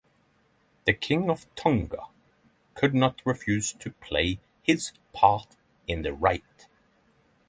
The king of Tonga could not refuse to play his part in the rite.